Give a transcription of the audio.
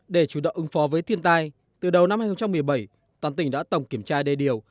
để chủ động ứng phó với thiên tai từ đầu năm hai nghìn một mươi bảy toàn tỉnh đã tổng kiểm tra đê điều